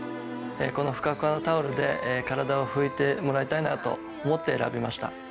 このフカフカのタオルで体を拭いてもらいたいなと思って選びました。